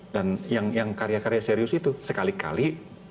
dan yang karya karya serius itu sekali kali